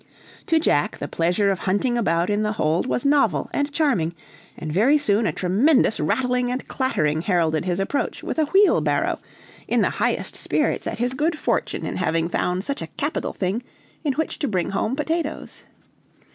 To Jack the pleasure of hunting about in the hold was novel and charming, and very soon a tremendous rattling and clattering heralded his approach with a wheel barrow, in the highest spirits at his good fortune in having found such a capital thing in which to bring home potatoes.